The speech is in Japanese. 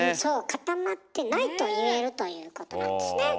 「固まってない」と言えるということなんですね。